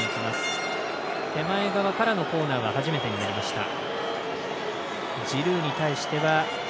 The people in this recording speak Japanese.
手前側からのコーナーは初めてになりました。